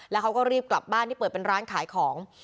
แล้วเขาก็รีบกลับบ้านที่เปิดเป็นร้านขายของ